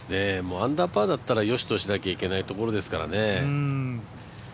アンダーパーだったらよしとしなきゃいけないところですから。